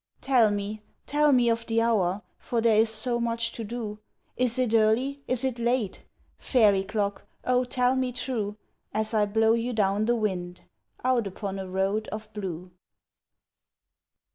Tell me tell me of the hour for there is so much to do! Is it early? Is it late? Fairy clock! 0 tell me true, As I blow you down the wind, out upon a road of blue.